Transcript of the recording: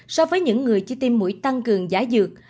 so với những người chi tiêm mũi tăng cường giả dược